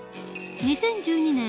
２０１２年